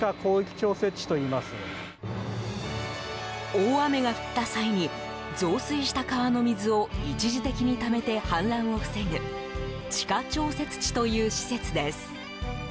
大雨が降った際に増水した川の水を一時的にためて氾濫を防ぐ地下調節池という施設です。